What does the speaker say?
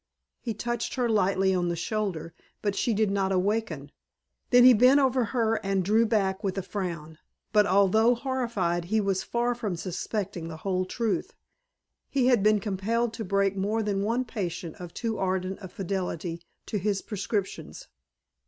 He touched her lightly on the shoulder, but she did not awaken. Then he bent over her, and drew back with a frown. But although horrified he was far from suspecting the whole truth. He had been compelled to break more than one patient of too ardent a fidelity to his prescriptions.